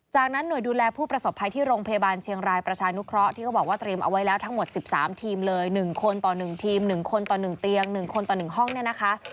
จากนั้นหน่วยดูแลผู้ประสบภัยที่โรงพยาบาลเชียงรายประชานุเคราะห์ที่เขาบอกว่าเตรียมเอาไว้แล้วทั้งหมด๑๓ทีมเลย๑คนต่อ๑ทีม๑คนต่อ๑เตียง๑คนต่อ๑ห้องเนี่ยนะคะ